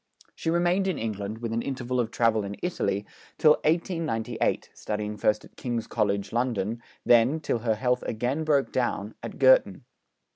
She remained in England, with an interval of travel in Italy, till 1898, studying first at King's College, London, then, till her health again broke down, at Girton.